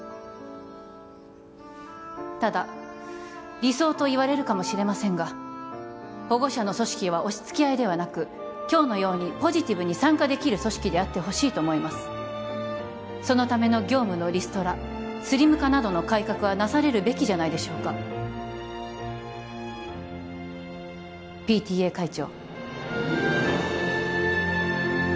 ただ理想と言われるかもしれませんが保護者の組織は押しつけ合いではなく今日のようにポジティブに参加できる組織であってほしいと思いますそのための業務のリストラスリム化などの改革はなされるべきじゃないでしょうかＰＴＡ会長